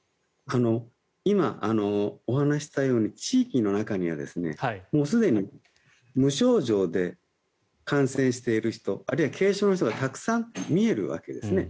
今、お話ししたように地域の中にはもうすでに無症状で感染している人あるいは軽症の人がたくさん見えるわけですね。